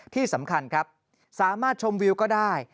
ที่สำคัญครับสามารถชมวิวก็ได้